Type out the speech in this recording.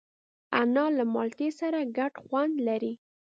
انار له مالټې سره ګډ خوند لري.